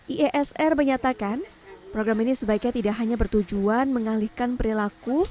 iesr menyatakan program ini sebaiknya tidak hanya bertujuan mengalihkan perilaku